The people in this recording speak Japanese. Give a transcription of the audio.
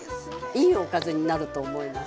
いいおかずになると思います。